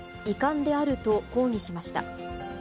遺憾であると抗議しました。